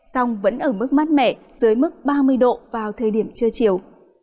song vẫn ở mức mát mẻ dưới mức ba mươi độ vào thời điểm trưa chiều